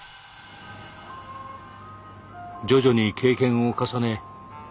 徐々に経験を重ね